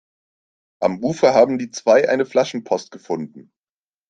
Am Ufer haben die zwei eine Flaschenpost gefunden.